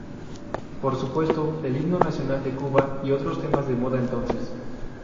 Por supuesto, el Himno Nacional de Cuba, y otros temas de moda entonces.